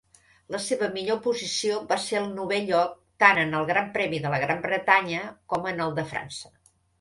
La seva millor posició va ser el novè lloc tant en el Gran Premi de la Gran Bretanya com en el de França.